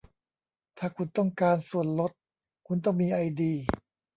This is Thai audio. ถ้าคุณต้องการส่วนลด คุณต้องมีไอดี